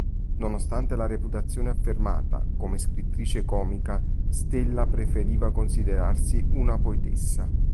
Nonostante la reputazione affermata come scrittrice comica, Stella preferiva considerarsi una poetessa.